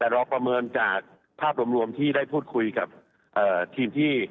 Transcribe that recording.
แต่เราประเมินจากภาพรวมที่ได้พูดคุยกับทีมที่